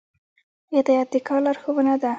هدایت د کار لارښوونه ده